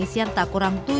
isian tak kurang